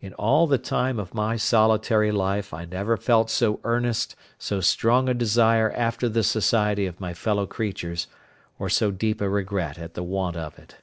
In all the time of my solitary life I never felt so earnest, so strong a desire after the society of my fellow creatures, or so deep a regret at the want of it.